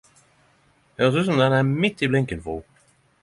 Høyres ut som den er midt i blinken for ho.